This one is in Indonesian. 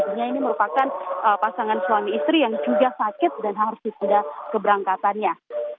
artinya ini merupakan pasangan suami istri yang juga sakit dan harus ditunda keberangkatannya